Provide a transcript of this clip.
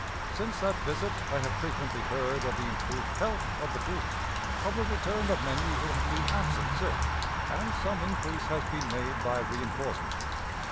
Since that visit I have frequently heard of the improved health of the troops, of the return of many who had been absent sick; and some increase has been made by reënforcements.